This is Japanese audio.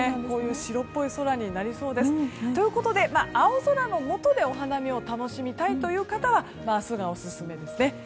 こういう白っぽい空になりそうです。ということで、青空のもとでお花見を楽しみたいという方は明日がオススメですね。